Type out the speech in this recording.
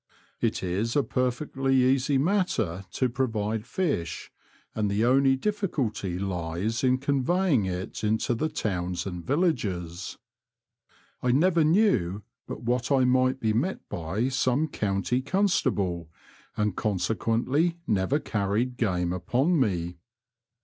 It is a perfectly easy matter to provide fish and the only difficulty lies in conveying it into the towns and villages. I never knew but what I might be met by some The Confessions of a Poacher, 95 county constable, and consequently never carried game upon me.